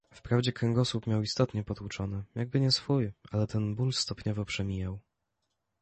"Wprawdzie kręgosłup miał istotnie potłuczony, jakby nie swój, ale ten ból stopniowo przemijał."